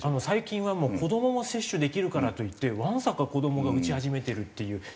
最近はもう子どもも接種できるからといってわんさか子どもが打ち始めてるっていう。